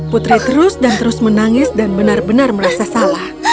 putri terus dan terus menangis dan benar benar merasa salah